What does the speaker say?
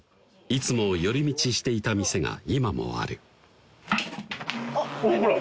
いつも寄り道していた店が今もあるおっほら！